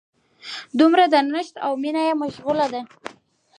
دومره درنښت او مینه یې مشغله ده.